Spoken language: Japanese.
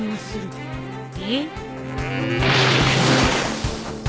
えっ？